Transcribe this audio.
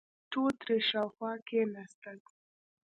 ټول ترې شاوخوا کېناستل.